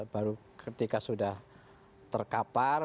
baru ketika sudah terkapar